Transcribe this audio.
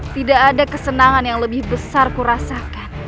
tidak ada kesenangan yang lebih besar kurasakan